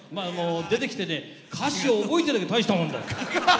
出てきて歌詞を覚えてるだけたいしたもんだよ。